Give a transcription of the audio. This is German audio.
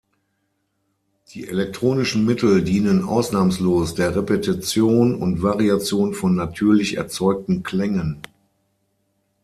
Die elektronischen Mittel dienen ausnahmslos der Repetition und Variation von „natürlich“ erzeugten Klängen.